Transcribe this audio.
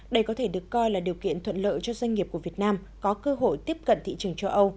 đây có thể được coi là điều kiện thuận lợi cho doanh nghiệp của việt nam có cơ hội tiếp cận thị trường châu âu